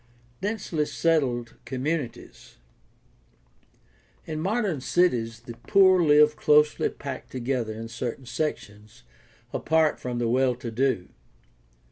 Densely settled communities. — In modern cities the poor live closely packed together in certain sections, apart from the well to do.